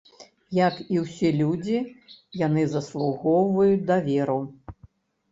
Як і ўсе людзі, яны заслугоўваюць даверу.